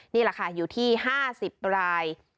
นี่แหละค่ะอยู่ที่๕๐ราย